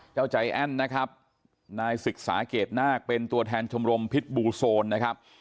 เจ้าใจแอ้นนะครับนายศึกษาเกรดนาคเป็นตัวแทนชมรมพิษบูโซนนะครับ